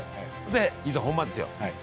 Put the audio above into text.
でいざ本番ですよ。